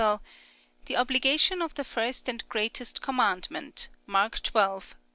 } (52) The Obligation of the First and Greatest Commandment, Mark 12, v.